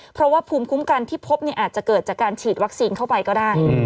เพราะว่าภูมิคุ้มกันที่พบอาจจะเกิดจากการฉีดวัคซีนเข้าไปก็ได้